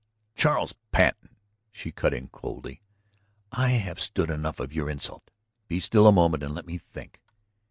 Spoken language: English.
"Charles Patten," she cut in coolly, "I have stood enough of your insult. Be still a moment and let me think."